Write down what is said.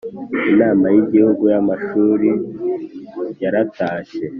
Inama y Igihugu y Amashuri yaratashye